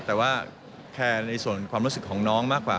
แต่ว่าแคร์ในส่วนความรู้สึกของน้องมากกว่า